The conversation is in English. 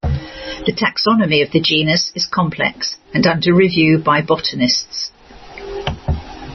The taxonomy of the genus is complex, and under review by botanists.